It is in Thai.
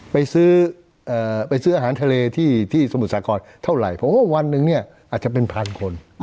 ไปซื้ออาหารทะเลที่สมุทรศาสตร์กรเท่าไหร่เพราะว่าวันหนึ่งเนี่ยอาจจะเป็น๑๐๐๐คน